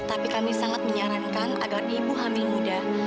tapi kami sangat menyarankan agar ibu hamil muda